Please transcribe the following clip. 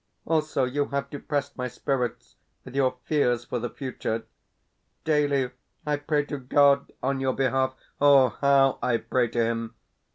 Also, you have depressed my spirits with your fears for the future. Daily I pray to God on your behalf. Ah, HOW I pray to Him!...